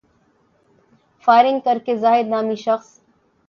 firing کر کے زاہد نامی شخص